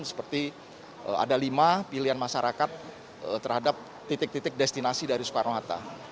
seperti ada lima pilihan masyarakat terhadap titik titik destinasi dari soekarno hatta